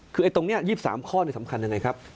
คือตรงนี้๒๓ข้อสำคัญยังไงครับ